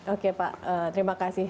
oke pak terima kasih